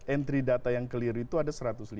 entry data yang keliru itu ada satu ratus lima